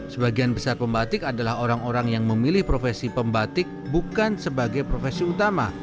sebagian besar pembatik adalah orang orang yang memilih profesi pembatik bukan sebagai profesi utama